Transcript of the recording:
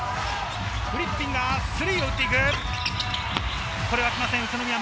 フリッピンがスリーを打っていく。